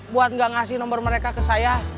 buat nggak ngasih nomor mereka ke saya